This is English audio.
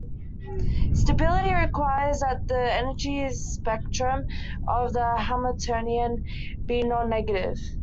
Stability requires that the energy spectrum of the Hamiltonian be nonnegative.